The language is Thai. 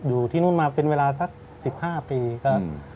อยู่ที่นู้นมาเป็นเวลาสักสิบห้าปีก็อืม